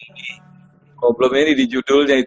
ini problemnya judulnya